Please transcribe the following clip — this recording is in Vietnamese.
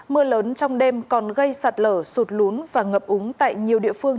mưa lớn trong đêm còn gây sạt lở sụt lún và ngập úng tại nhiều địa phương